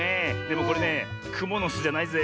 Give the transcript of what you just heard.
でもこれねくものすじゃないぜえ。